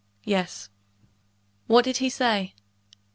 "Yes." "What did he say?"